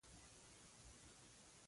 په ډېرو ټینګو الفاظو وویل.